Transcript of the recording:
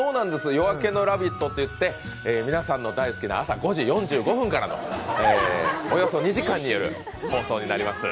「夜明けのラヴィット！」といって皆さんの大好きな、朝５時４５分からのおよそ２時間による放送になります